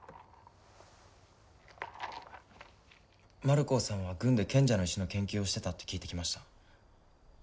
マルコーさんは軍で賢者の石の研究をしてたって聞いて来ました